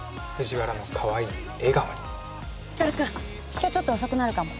今日ちょっと遅くなるかも。